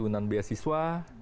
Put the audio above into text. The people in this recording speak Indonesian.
ada santunan beasiswa